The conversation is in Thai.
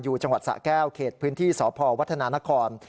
จังหวัดสะแก้วเขตพื้นที่สพวัฒนานคร